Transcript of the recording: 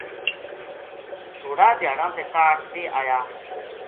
تھوڑا دھیاڑاں تے کاہڈ ویہ آیا